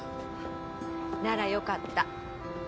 ならよかった。